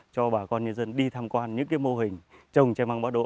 cho bà con nhân dân đi tham quan những cái mô hình trồng tre băng bắt độ